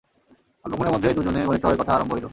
অল্পক্ষণের মধ্যেই দুজনে ঘনিষ্ঠভাবে কথা আরম্ভ হইল।